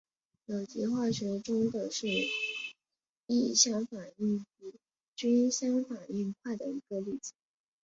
有机化学中的是异相反应比均相反应快的一个例子。